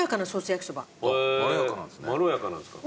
まろやかなんですね。